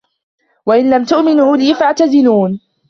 وَإِن لَم تُؤمِنوا لي فَاعتَزِلونِ